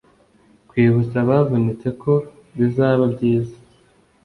kwibutsa abavunitse ko bizaba byiza